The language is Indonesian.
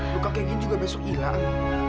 luka kaget juga besok hilang